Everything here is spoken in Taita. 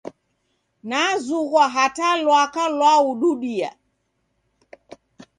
Nazughwa hata lwaka lwaududia.